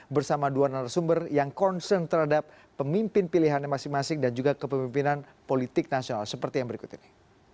bersama dua narasumber yang concern terhadap pemimpin pilihannya masing masing dan juga kepemimpinan politik nasional seperti yang berikut ini